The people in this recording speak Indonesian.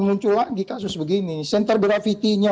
muncul lagi kasus begini center gravity nya